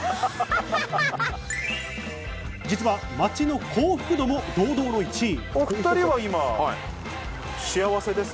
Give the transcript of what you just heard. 実は町の幸福度も堂々の１位。